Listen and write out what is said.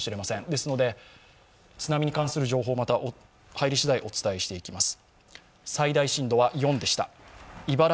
ですので、津波に関する情報は入り次第、お伝えしていきます。